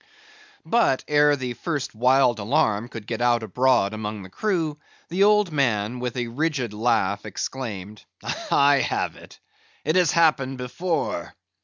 But ere the first wild alarm could get out abroad among the crew, the old man with a rigid laugh exclaimed, "I have it! It has happened before.